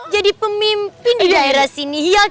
jadi pemimpin di daerah sini ya kan